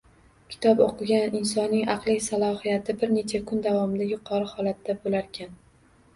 Kitob o‘qigan insonning aqliy salohiyati bir necha kun davomida yuqori holatda bo‘larkan.